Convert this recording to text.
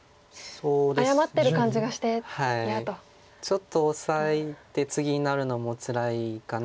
ちょっとオサえてツギになるのもつらいかな。